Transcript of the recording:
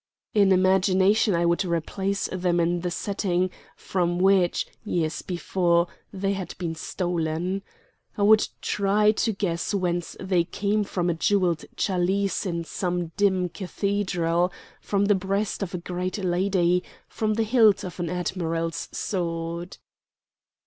In imagination I would replace them in the setting, from which, years before, they had been stolen. I would try to guess whence they came from a jewelled chalice in some dim cathedral, from the breast of a great lady, from the hilt of an admiral's sword.